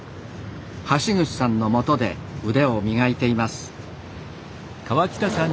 橋口さんのもとで腕を磨いています。